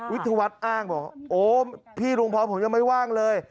วิทยาวัฒน์อ้างบอกโอ้พี่ลุงพรผมยังไม่ว่างเลย